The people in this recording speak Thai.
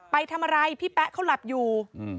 ไปทำอะไรพี่แป๊ะเขาหลับอยู่